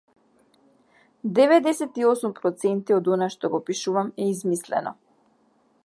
Деведесет и осум проценти од она што го пишувам е измислено.